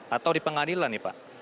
atau di pengadilan nih pak